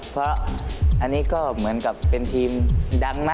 เพราะอันนี้ก็เหมือนกับเป็นทีมดังนะ